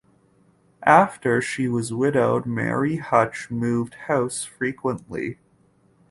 After she was widowed Marie Huch moved house frequently.